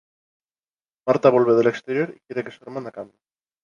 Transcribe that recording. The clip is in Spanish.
Marta vuelve del exterior y quiere que su hermana cambie.